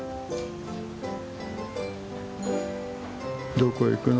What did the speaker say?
どこ行くの？